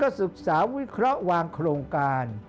ศึกษาวิเคราะห์วางโครงการ